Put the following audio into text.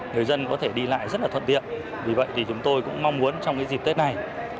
người dân có thể đi lại rất là thuận tiện vì vậy thì chúng tôi cũng mong muốn trong dịp tết này